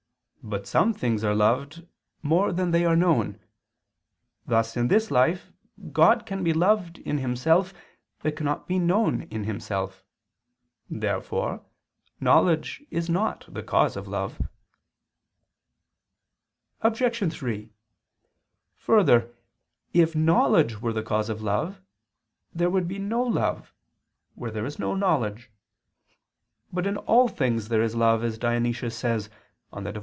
But some things are loved more than they are known: thus in this life God can be loved in Himself, but cannot be known in Himself. Therefore knowledge is not the cause of love. Obj. 3: Further, if knowledge were the cause of love, there would be no love, where there is no knowledge. But in all things there is love, as Dionysius says (Div.